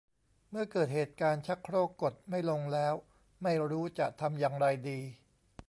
เมื่อเกิดเหตุการณ์ชักโครกกดไม่ลงแล้วไม่รู้จะทำอย่างไรดี